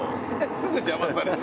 すぐ邪魔される。